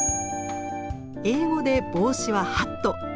英語で帽子は「ハット」。